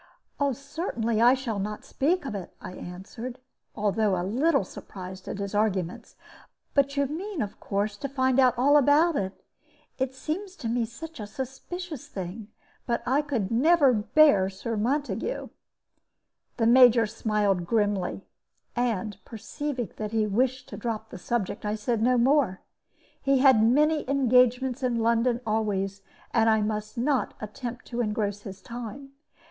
"Certainly I shall not speak of it," I answered, though a little surprised at his arguments; "but you mean, of course, to find out all about it. It seems to me such a suspicious thing. But I never could bear Sir Montague." The Major smiled grimly, and, perceiving that he wished to drop the subject, I said no more. He had many engagements in London always, and I must not attempt to engross his time.